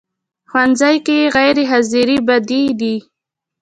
ښوونځی کې غیر حاضرې بدې دي